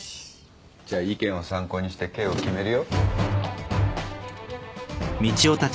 じゃ意見を参考にして刑を決めるよ。